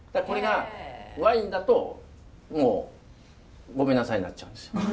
これがワインだともうごめんなさいになっちゃうんですよ。